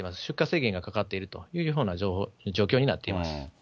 出荷制限がかかっているというような状況になっています。